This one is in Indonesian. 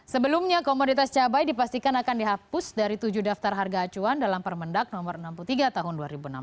sebelumnya komoditas cabai dipastikan akan dihapus dari tujuh daftar harga acuan dalam permendak no enam puluh tiga tahun dua ribu enam belas